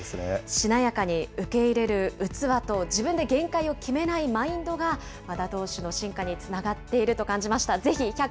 しなやかに受け入れる器と自分で限界を決めないマインドが、和田投手の進化につながっていると感じました。